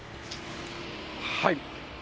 はい。